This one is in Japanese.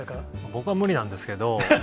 僕は無理なんですけど。